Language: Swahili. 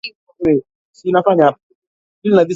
Imetayarishwa na Kennes Bwire, Sauti ya Amerika ,Washington